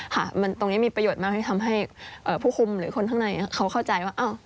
ตรงนี้มีประโยชน์มากที่ทำให้ผู้คุมหรือคนข้างในเขาเข้าใจว่า